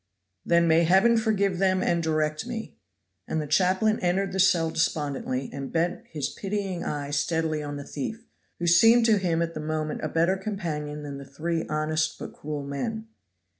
"Then may Heaven forgive them and direct me." And the chaplain entered the cell despondently, and bent his pitying eye steadily on the thief, who seemed to him at the moment a better companion than the three honest but cruel men.